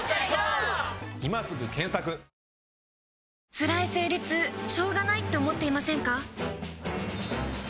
つらい生理痛しょうがないって思っていませんか？